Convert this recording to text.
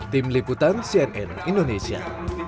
tim liputan cnn indonesia